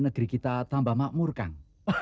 negeri kita tambah makmur kan